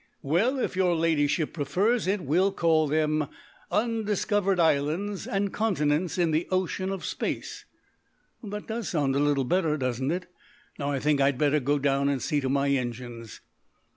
"Well, if your Ladyship prefers it, we will call them undiscovered islands and continents in the Ocean of Space. That does sound a little bit better, doesn't it? Now I think I had better go down and see to my engines."